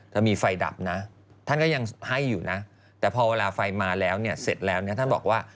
ถ้ามีไฟดับนะท่านก็ยังให้อยู่นะแต่พอเวลาไฟมาแล้วเนี่ยเสร็จแล้วเนี่ยท่านบอกว่า